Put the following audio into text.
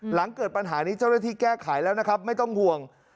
หลังเกิดปัญหานี้เจ้าหน้าที่แก้ไขแล้วนะครับไม่ต้องห่วง